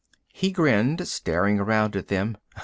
He grinned, staring around at them.